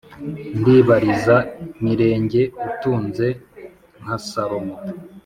ndibariza mirenge utunze nka salomo